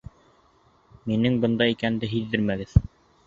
Минең бында икәнде һиҙҙертмәгеҙ.